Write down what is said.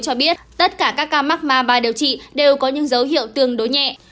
cho biết tất cả các ca mắc ma ba điều trị đều có những dấu hiệu tương đối nhẹ